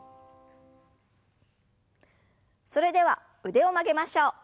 それでは腕を曲げましょう。